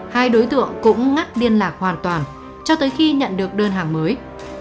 hai đối tượng cũng ngắt liên lạc hoàn toàn cho tới khi nhận được đơn hàng mới